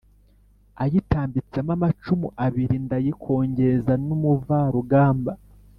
ayitambitsemo amacumu abili, ndayikongeza n'umuvarugamba